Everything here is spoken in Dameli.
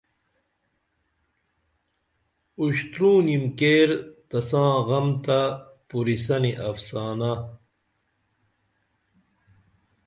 اُشترونیم کیر تساں غم تہ پُریسنی افسانہ